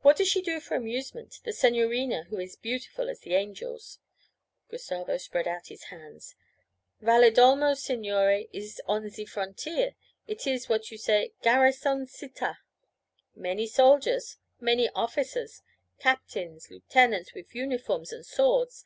What does she do for amusement the signorina who is beautiful as the angels?' Gustavo spread out his hands. 'Valedolmo, signore, is on ze frontier. It is what you say garrison città. Many soldiers, many officers captains, lieutenants, wif uniforms and swords.